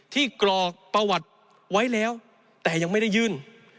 กรอกประวัติไว้แล้วแต่ยังไม่ได้ยื่น